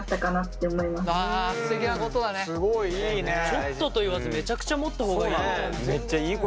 ちょっとと言わずめちゃくちゃ持った方がいい。